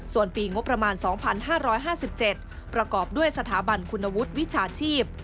ส่วนปีงบประมาณ๒๕๕๗ประกอบด้วยสถาบันคุณวุฒิวิชาชีพ